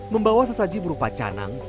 membawa sesaji berupa canang